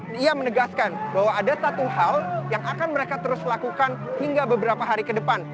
dia menegaskan bahwa ada satu hal yang akan mereka terus lakukan hingga beberapa hari ke depan